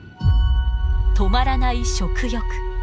止まらない食欲。